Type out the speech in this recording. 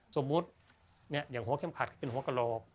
สมมุติอย่างหัวเข้มขัดเป็นหัวกระโหลก